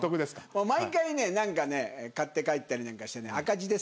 毎回ね何かね買って帰ったりなんかしてね赤字ですけどね。